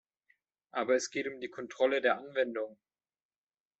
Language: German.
Aber es geht um die Kontrolle der Anwendung.